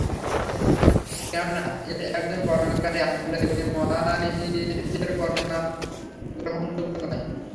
কেননা, এর একজন বর্ণনাকারী আবদুল্লাহ ইবন মুহরিযের— বর্ণনা গ্রহণযোগ্য নয়।